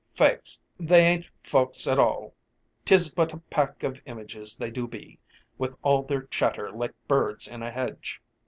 "Faix, they ain't folks at all, 'tis but a pack of images they do be, with all their chatter like birds in a hedge."